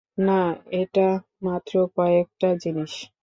না, এটা মাত্র কয়েকটা জিনিস।